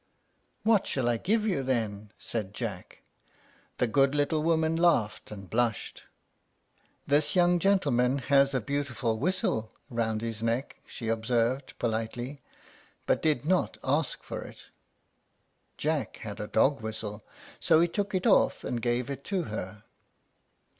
"What shall I give you then?" said Jack. The good little woman laughed and blushed. "This young gentleman has a beautiful whistle round his neck," she observed, politely, but did not ask for it. Jack had a dog whistle, so he took it off and gave it to her.